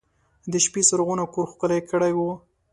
د شپې څراغونو کور ښکلی کړی و.